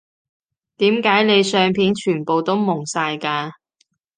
點解你相片全部都矇晒㗎